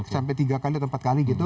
sampai tiga kali atau empat kali gitu